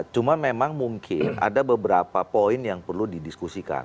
cuma memang mungkin ada beberapa poin yang perlu didiskusikan